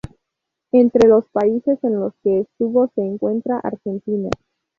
Entre los países en los que estuvo se encuentra Argentina.